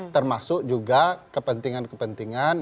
termasuk juga kepentingan kepentingan